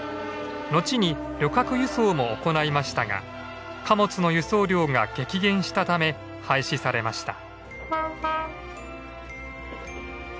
後に旅客輸送も行いましたが貨物の輸送量が激減したため廃止されました。